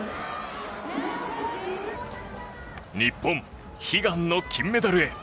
日本、悲願の金メダルへ。